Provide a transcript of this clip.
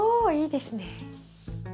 いいですね。